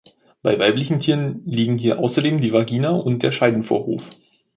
Bei weiblichen Tieren liegen hier außerdem die Vagina und der Scheidenvorhof.